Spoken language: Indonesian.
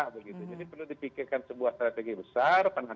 jadi perlu dipikirkan sebuah strategi besar